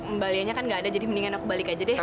kembaliannya kan gak ada jadi mendingan aku balik aja deh